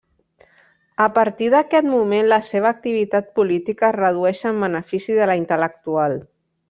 A partir d'aquest moment la seva activitat política es reduïx en benefici de la intel·lectual.